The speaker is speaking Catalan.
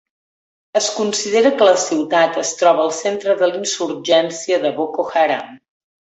Es considera que la ciutat es troba al centre de l"insurgència de Boko Haram.